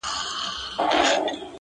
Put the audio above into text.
دودونه ژوند توره څېره کوي تل,